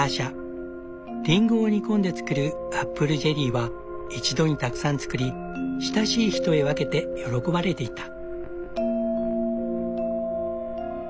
リンゴを煮込んで作るアップルジェリーは一度にたくさん作り親しい人へ分けて喜ばれていた。